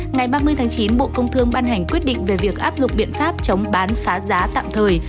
ngày ba mươi tháng chín bộ công thương ban hành quyết định về việc áp dụng biện pháp chống bán phá giá tạm thời